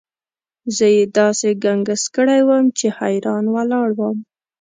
زه یې داسې ګنګس کړی وم چې حیران ولاړ وم.